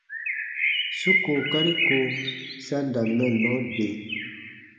Su kookari ko sa n da mɛnnɔ de.